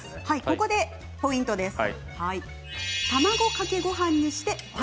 ここでポイントです。